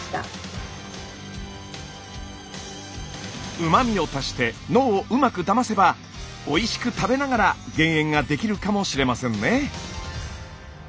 うま味を足して脳をうまくだませばおいしく食べながら減塩ができるかもしれませんね。